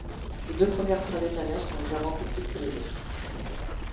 Les deux premières travées de la nef sont légèrement plus petites que les autres.